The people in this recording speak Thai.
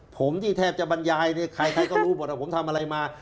ผมที่แทบจะบรรยายใครก็รู้หมดแล้วผมทำอะไรมา